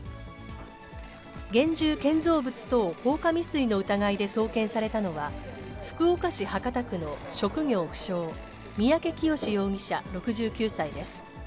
現住建造物等放火未遂の疑いで送検されたのは、福岡市博多区の職業不詳、三宅潔容疑者６９歳です。